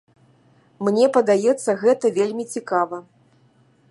Мне падаецца гэта вельмі цікава.